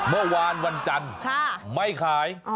เมื่อวานวันจันทร์ไม่ขาย